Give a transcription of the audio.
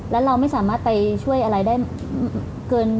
แล้วเราไม่สามารถไปช่วยอะไรได้เกิน